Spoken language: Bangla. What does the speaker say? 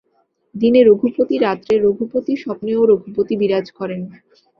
দিনে রঘুপতি, রাত্রে রঘুপতি, স্বপ্নেও রঘুপতি বিরাজ করেন।